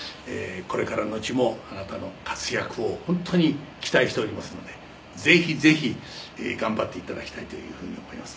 「これからのちもあなたの活躍を本当に期待しておりますのでぜひぜひ頑張って頂きたいというふうに思います」